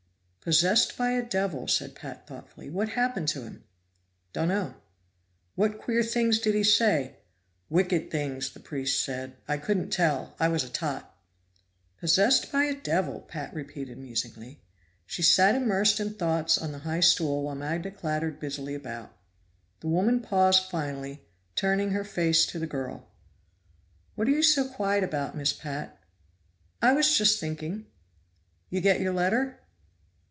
"Possessed by a devil," said Pat thoughtfully. "What happened to him?" "Dunno." "What queer things did he say?" "Wicked things, the Priest said. I couldn't tell! I was a tot." "Possessed by a devil!" Pat repeated musingly. She sat immersed in thoughts on the high stool while Magda clattered busily about. The woman paused finally, turning her face to the girl. "What you so quiet about, Miss Pat?" "I was just thinking." "You get your letter?"